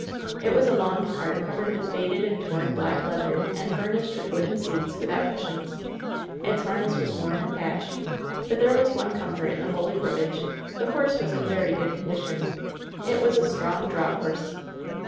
It was a long cart covered with faded and torn black leather, and furnished with wooden seats without cush ions. Its harness was worn and patched. But there was one comfort in the whole equipage — ^the horse was in very good condition. It was a strong draught horse.